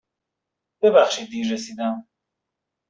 ببخشید دیر رسیدم.